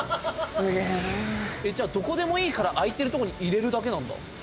「すげえな」じゃあどこでもいいから空いてるとこに入れるだけなんだ。